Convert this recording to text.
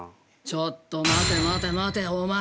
ちょっと待て待て待てお前。